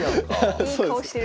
いい顔してる。